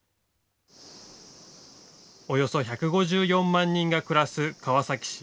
およそ１５４万人が暮らす川崎市。